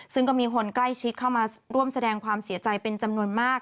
ซึ่งก็มีคนใกล้ชิดเข้ามาร่วมแสดงความเสียใจเป็นจำนวนมาก